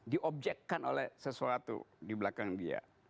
di objekkan oleh sesuatu di belakang dia